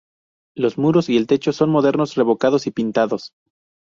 Los muros y el techo son modernos, revocados y pintados.